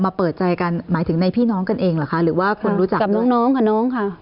เปิดใจกันหมายถึงในพี่น้องกันเองเหรอคะหรือว่าคนรู้จักกับน้องกับน้องค่ะ